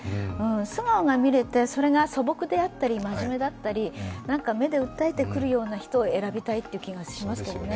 素顔が見れて、それが素朴であったり、真面目であったり、目で訴えてくるような人を選びたいという気がしますよね。